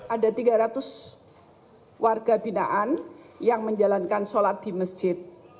ada tiga ratus warga binaan yang menjalankan sholat di masjid